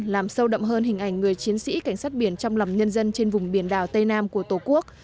làm sâu đậm hơn hình ảnh người chiến sĩ cảnh sát biển trong lòng nhân dân trên vùng biển đảo tây nam của tổ quốc